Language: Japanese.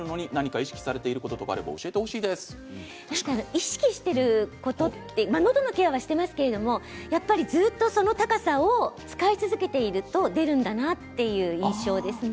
意識していることのどのケアはしていますけれどもずっとその高さを使い続けていると出るんだなという印象ですね。